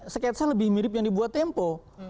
sketsa lebih mirip yang dibuat tempo